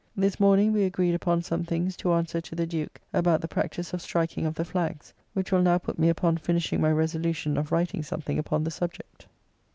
This morning we agreed upon some things to answer to the Duke about the practice of striking of the flags, which will now put me upon finishing my resolution of writing something upon the subject.